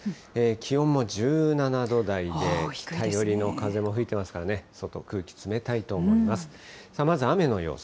気温も１７度台で北寄りの風も吹いてますからね、外、空気冷たいと思います。